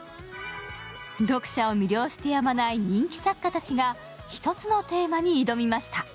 読者を魅了してやまない人気作家たちが一つのテーマに挑みました。